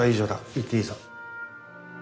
行っていいぞ。